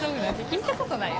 聞いたことない。